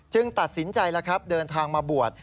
ตัดสินใจแล้วครับเดินทางมาบวช